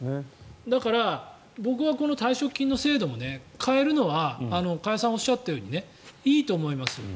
だから、僕はこの退職金の制度も変えるのは加谷さんがおっしゃったようにいいと思いますよ。